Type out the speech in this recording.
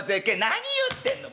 「何言ってんの。